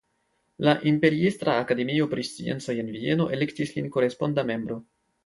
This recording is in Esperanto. La Imperiestra akademio pri sciencoj en Vieno elektis lin koresponda membro.